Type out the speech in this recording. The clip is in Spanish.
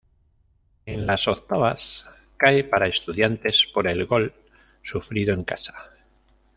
En las octavas, cae para Estudiantes por el gol sufrido en casa.